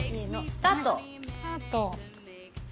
スタート。